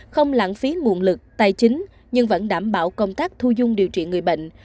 không lãng phí nguồn lực tài chính nhưng vẫn đảm bảo công tác thu dung điều trị người bệnh